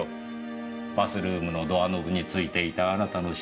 バスルームのドアノブについていたあなたの指紋。